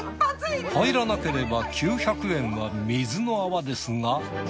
入らなければ９００円が水の泡ですが。